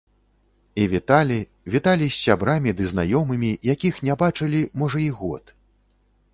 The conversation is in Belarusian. І віталі, віталі з сябрамі ды знаёмымі, якіх не бачылі, можа, і год.